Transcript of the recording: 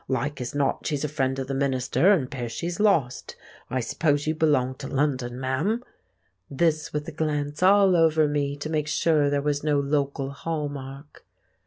Like as not she's a friend of the minister, an' 'pears she's lost.' I suppose you belong to London, ma'am?" This with a glance all over me to make sure there was no local hall mark.